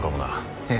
ええ。